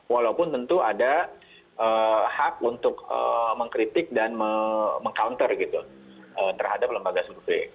walaupun tentu ada hak untuk mengkritik dan meng counter gitu terhadap lembaga survei